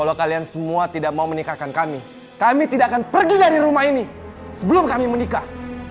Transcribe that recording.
kalau kalian semua tidak mau menikahkan kami kami tidak akan pergi dari rumah ini sebelum kami menikah